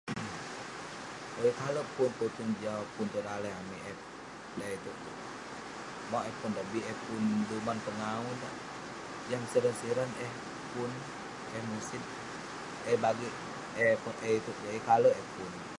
Yeng kale pun kutun jau tong daleh amik eh dai itouk. Mauk eh pun dah bik eh pun duman pengawu dak. Jam siran siran eh pun, eh musit. eh bagik eh itouk, yeng kale eh pun.